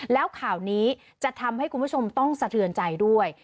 แล้วข่าวนี้จะทำให้คุณผู้ชมต้องสะเทือนใจด้วย